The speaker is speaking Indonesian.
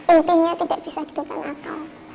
intinya tidak bisa di gunakan akal